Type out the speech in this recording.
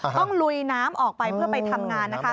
ต้องลุยน้ำออกไปเพื่อไปทำงาน